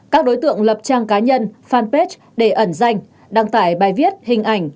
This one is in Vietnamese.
các đối tượng lập trang cá nhân fanpage để ẩn danh đăng tải bài viết hình ảnh